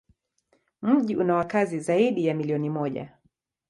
Mji una wakazi zaidi ya milioni moja.